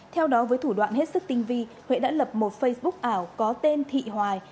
theo đó với thủ đoạn hết sức tinh vi huệ đã lập một facebook ảo có tên thị hoài